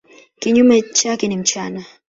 Kinyume chake ni mchana.